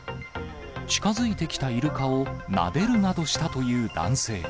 近づいてきたイルカを、なでるなどしたという男性。